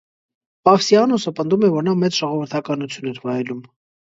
Պավսիանոսը պնդում է, որ նա մեծ ժողովրդականություն էր վայելում։